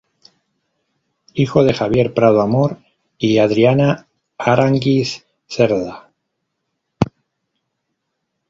Hijo de Javier Prado Amor y Adriana Aránguiz Cerda.